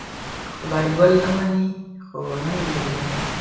که خدای ګل نه مني خو نه یې دی لیدلی.